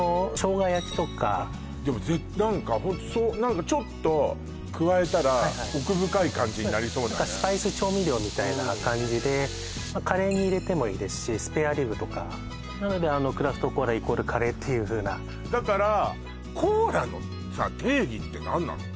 生姜焼きとかでも何かホント何かちょっと加えたら奥深い感じになりそうスパイス調味料みたいな感じでカレーに入れてもいいですしスペアリブとかなので「クラフトコーライコールカレー」っていうふうなだからって呼ばれるアフリカ原産の種があるんですね